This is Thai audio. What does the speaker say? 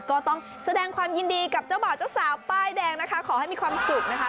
ก็ต้องแสดงความยินดีกับเจ้าบ่าวเจ้าสาวป้ายแดงนะคะขอให้มีความสุขนะคะ